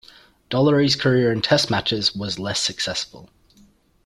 Dollery's career in Test matches was less successful.